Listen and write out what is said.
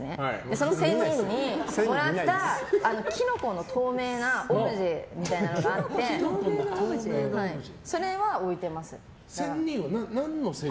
その仙人にもらったキノコの透明なオブジェみたいなのがあって仙人は何の仙人？